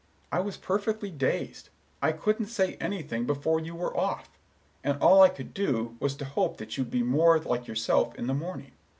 I was perfectly dazed; I couldn't say anything before you were off, and all I could do was to hope that you'd be more like yourself in the morning.